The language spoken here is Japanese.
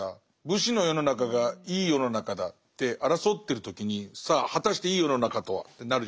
武士の世の中がいい世の中だって争ってる時にさあ果たしていい世の中とはってなるじゃないですか。